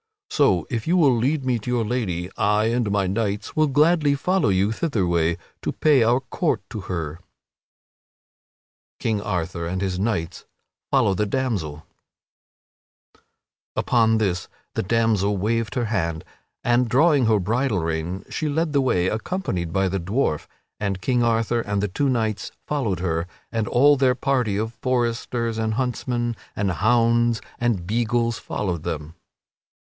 So, if you will lead me to your lady, I and my knights will gladly follow you thitherway to pay our court unto her." [Sidenote: King Arthur and his knights follow the damsel] Upon this the damsel waved her hand, and drawing her bridle rein she led the way, accompanied by the dwarf, and King Arthur and the two knights followed her, and all their party of foresters and huntsmen and hounds and beagles followed them.